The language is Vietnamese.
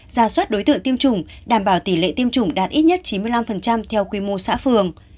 ra soát đối tượng tiêm chủng đảm bảo tỷ lệ tiêm chủng đạt ít nhất chín mươi năm theo quy mô xã phường